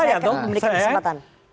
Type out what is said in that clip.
saya akan memiliki kesempatan